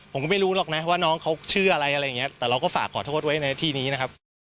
ผมก็ไม่รู้หรอกนะว่าน้องเขาชื่ออะไรอะไรอย่างนี้แต่เราก็ฝากขอโทษไว้ในที่นี้นะครับ